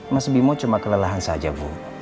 mas bimo cuma kelelahan saja bu